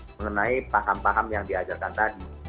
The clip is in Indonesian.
mengenai paham paham yang diajarkan tadi